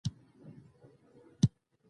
سمه ده چې جرم فردي دى او ستا پکې هېڅ ګنا نشته.